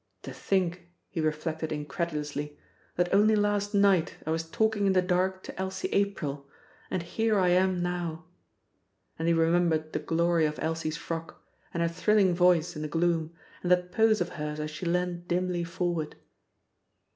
("To think," he reflected, incredulously, "that only last night I was talking in the dark to Elsie April and here I am now!" And he remembered the glory of Elsie's frock, and her thrilling voice in the gloom, and that pose of hers as she leaned dimly forward.)